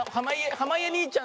濱家兄ちゃん。